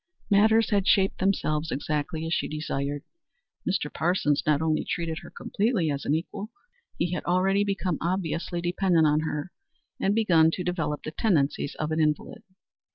Matters had shaped themselves exactly as she desired. Mr. Parsons not only treated her completely as an equal, but consulted her in regard to everything. He had already become obviously dependent on her, and had begun to develop the tendencies of an invalid.